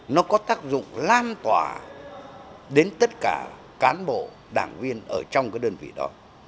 nó có tác dụng lan tỏa đến tất cả cán bộ đảng viên ở trong cái đơn vị đó